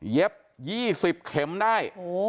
เย็บ๒๐เข็มได้